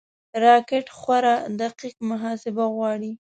راکټ خورا دقیق محاسبه غواړي